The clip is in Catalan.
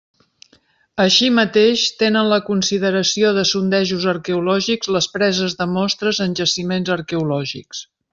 Així mateix, tenen la consideració de sondejos arqueològics les preses de mostres en jaciments arqueològics.